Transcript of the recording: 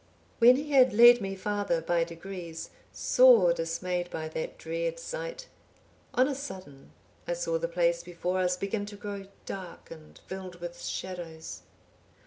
"When he had led me farther by degrees, sore dismayed by that dread sight, on a sudden I saw the place before us begin to grow dark and filled with shadows.